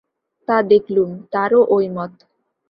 তা দেখলুম, তাঁরও ঐ মত।